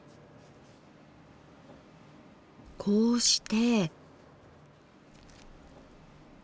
こうして。